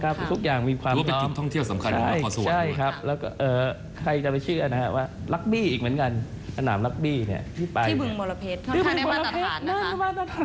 เบริกเบาะเรือบ่ายนาตาชาติบุงบรรพตเหมือนกัน